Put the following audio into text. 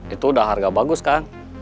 itu udah harga bagus kan